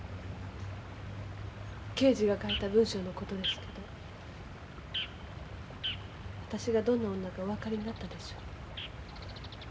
刑事が書いた文章の事ですけど私がどんな女かお分かりになったでしょ？